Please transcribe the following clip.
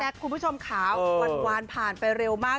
คุณผู้ชมขาวหวานผ่านไปเร็วมาก